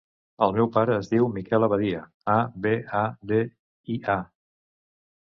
El meu pare es diu Miquel Abadia: a, be, a, de, i, a.